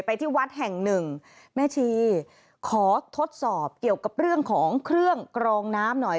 ที่วัดแห่งหนึ่งแม่ชีขอทดสอบเกี่ยวกับเรื่องของเครื่องกรองน้ำหน่อย